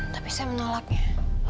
tapi saya menolaknya